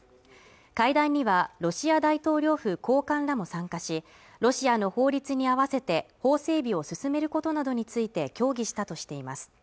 会談にはロシア大統領府高官らも参加しロシアの法律に合わせて法整備を進めることなどについて協議したとしています